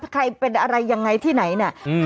ใครเป็นอะไรยังไงที่ไหนเนี่ย